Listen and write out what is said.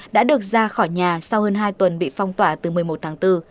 đã được ra khỏi nhà sau hơn hai tuần bị phong tỏa từ một mươi một tháng bốn